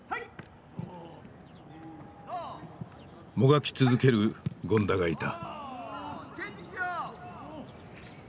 もがき続ける権田がいた。